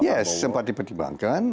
ya sempat dipertimbangkan